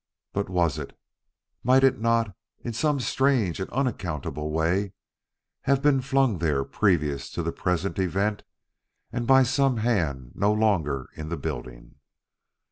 But was it? Might it not, in some strange and unaccountable way, have been flung there previous to the present event and by some hand no longer in the building?